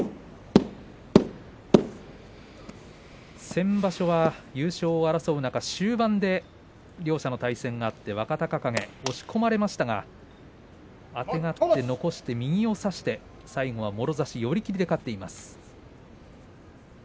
先場所は優勝を争う中、終盤で両者の対戦があって、若隆景押し込まれましたがあてがって残して右を差して最後はもろ差し寄り切りで勝ちました。